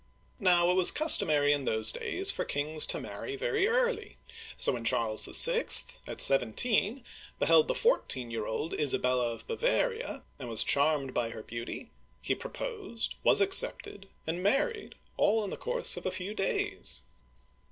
Now, it was customary in those days for kings to marry very early, so when Charles VI., at seventeen, beheld the fourteen year old Isabella of Bava'ria, and was charmed by her beauty, he proposed, was accepted, and married, — all in the course of a few days.